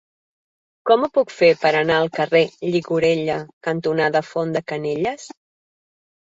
Com ho puc fer per anar al carrer Llicorella cantonada Font de Canyelles?